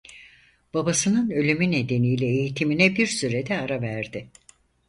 Babasının ölümü nedeniyle eğitimine bir süre de ara verdi.